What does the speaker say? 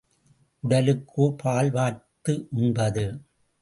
உடலுக்கோ பால் வார்த்து உண்பது?